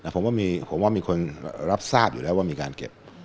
ผมว่ามีคนรับทราบอยู่แล้วว่ามีการเก็บ